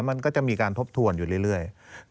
มันก็จะมีการทบทวนอยู่เรื่อย